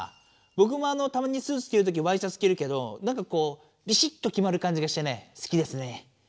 ぼくもたまにスーツきるときワイシャツきるけどなんかこうビシッときまるかんじがしてねすきですね。